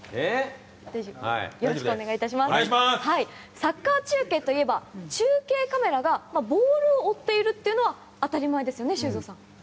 サッカー中継といえば中継カメラがボールを追っているのは当たり前ですよね、修造さん。